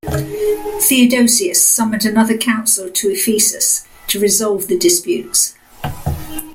Theodosius summoned another council to Ephesus, to resolve the disputes.